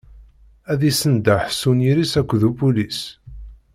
Ad imsenḍaḥ s uniyir-s akked upulis..